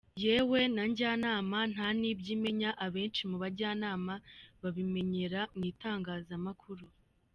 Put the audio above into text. Yewe na Njyanama ntanibyo imenya; abenshi mubajyanama babimenyera mu Itangazamakuru.